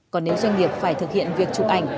còn nếu doanh nghiệp phải thực hiện việc chụp ảnh